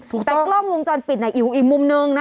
แต่กล้องวงจรปิดอยู่อีกมุมหนึ่งนะ